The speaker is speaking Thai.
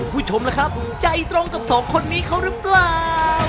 คุณผู้ชมล่ะครับใจตรงกับสองคนนี้เขาหรือเปล่า